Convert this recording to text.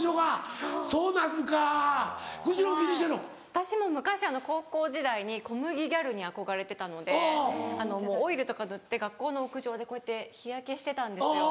私も昔高校時代に小麦ギャルに憧れてたのでもうオイルとか塗って学校の屋上でこうやって日焼けしてたんですよ。